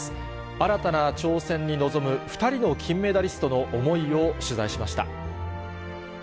新たな挑戦に臨む２人の金メダリストの思いを取材しました。